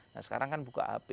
nah sekarang kan buka hp